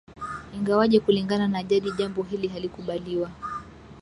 Ingawaje Kulingana na jadi jambo hili halikubaliwi